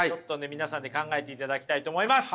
皆さんで考えていただきたいと思います！